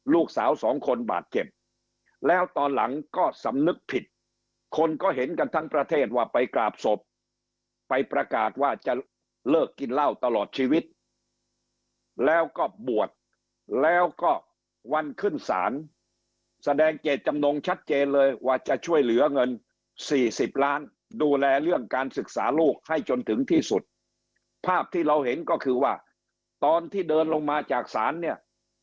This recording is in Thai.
ลูกสาวสองคนบาดเจ็บแล้วตอนหลังก็สำนึกผิดคนก็เห็นกันทั้งประเทศว่าไปกราบศพไปประกาศว่าจะเลิกกินเหล้าตลอดชีวิตแล้วก็บวชแล้วก็วันขึ้นศาลแสดงเจตจำนงชัดเจนเลยว่าจะช่วยเหลือเงินสี่สิบล้านดูแลเรื่องการศึกษาลูกให้จนถึงที่สุดภาพที่เราเห็นก็คือว่าตอนที่เดินลงมาจากศาลเนี่ย